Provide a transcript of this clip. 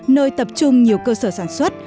nhiều cơ sở sản xuất